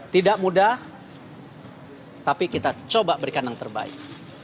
tidak mudah tapi kita coba berikan yang terbaik